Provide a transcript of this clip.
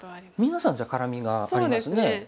皆さんじゃあ絡みがありますね。